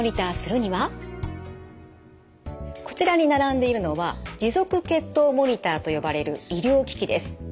こちらに並んでいるのは持続血糖モニターと呼ばれる医療機器です。